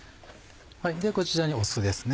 ではこちらに酢ですね。